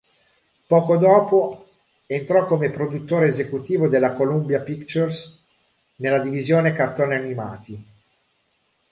Poco dopo, entrò come produttore esecutivo alla Columbia Pictures nella divisione cartoni animati.